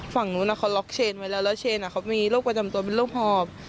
ฝั่งนู้นเขาล็อกเชนไว้แล้วแล้วเชนเขามีโรคประจำตัวเป็นโรคหอบ